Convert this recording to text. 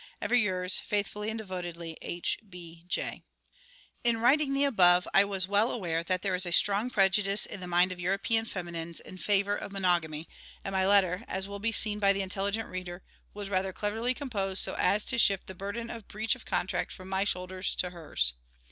Ever yours faithfully and devotedly, H. B. J. In writing the above, I was well aware that there is a strong prejudice in the mind of European feminines in favour of monogamy, and my letter (as will be seen by the intelligent reader) was rather cleverly composed so as to shift the burden of breach of contract from my shoulders to hers.